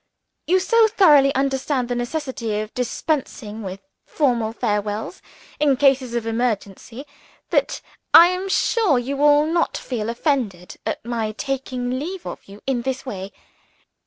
You so thoroughly understand the necessity of dispensing with formal farewells, in cases of emergency, that I am sure you will not feel offended at my taking leave of you in this way.